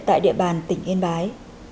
tại địa bàn tỉnh yên bái